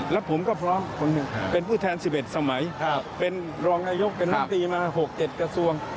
และผมก็พร้อมเป็นผู้แทน๑๑สมัยเป็นรองนายกเป็นรัฐศีลมา๖๗กระทรวง